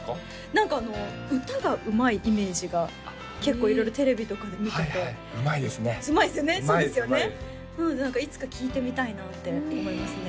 何か歌がうまいイメージが結構色々テレビとかで見ててはいはいうまいですねうまいですよねそうですよねうまいですうまいですなのでいつか聴いてみたいなって思いますね